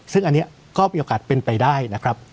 ซึ่งอันนี้ก็มีโอกาสเป็นไปได้นะครับ